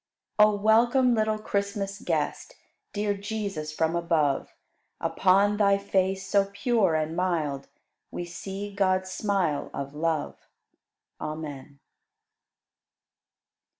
99. O welcome, little Christmas Guest, Dear Jesus, from above; Upon Thy face, so pure and mild, We see God's smile of love. Amen.